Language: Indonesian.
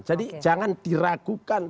jadi jangan diragukan